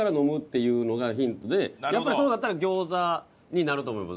やっぱりそうなったら餃子になると思います。